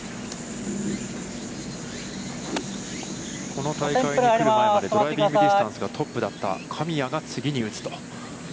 この大会に来る前までは、ドライビングディスタンスがトップだった、神谷が次に打つと。